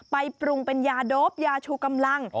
ปรุงเป็นยาโดปยาชูกำลัง